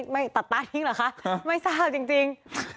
ไม่ตัดตาทิ้งเหรอคะไม่ทราบจริง